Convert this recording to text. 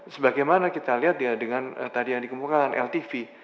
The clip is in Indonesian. sebagaimana kita lihat dengan tadi yang dikemukakan ltv